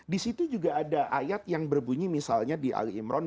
disitu juga ada ayat yang berbunyi misalnya di al imran